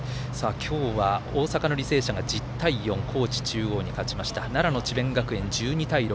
今日は大阪の履正社が１０対４高知中央に勝ちました奈良の智弁学園、１２対６。